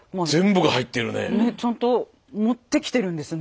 ちゃんと持ってきてるんですね。